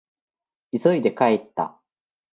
急いで帰った。